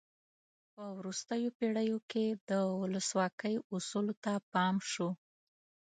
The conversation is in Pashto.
په وروستیو پیړیو کې د ولسواکۍ اصولو ته پام شو.